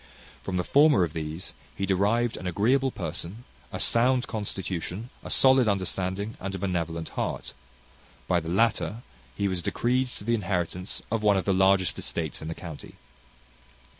From the former of these, he derived an agreeable person, a sound constitution, a solid understanding, and a benevolent heart; by the latter, he was decreed to the inheritance of one of the largest estates in the county.